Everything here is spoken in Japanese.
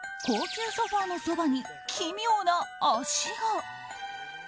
高級ソファのそばに奇妙な足が。